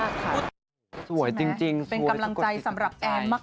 สวยจริงสุขสิทธิ์สิทธิ์ค่ะใช่ไหมเป็นกำลังใจสำหรับแอนน์มาก